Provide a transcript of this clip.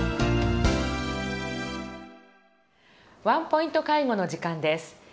「ワンポイント介護」の時間です。